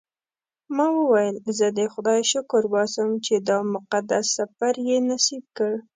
ما وویل زه د خدای شکر باسم چې دا مقدس سفر یې نصیب کړ.